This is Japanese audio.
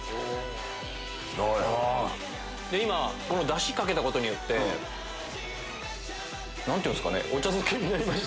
今、このだしかけたことによって、なんていうんですかね、お茶漬けになりました。